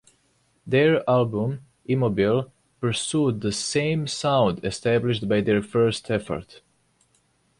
Their album "Immobile" pursued the same sound established by their first effort.